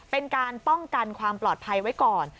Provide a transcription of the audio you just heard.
เป็นการป้องกันความปลอดภัยไว้ก่อน